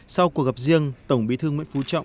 sau cuộc gặp riêng tổng bí thư nguyễn phú trọng